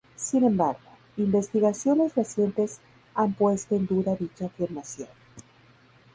Sin embargo, investigaciones recientes han puesto en duda dicha afirmación.